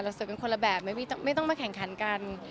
สวยกันคนละแบบไม่ต้องมาแข่งขันกัน